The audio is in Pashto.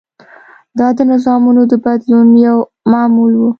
دا د نظامونو د بدلون یو معمول و.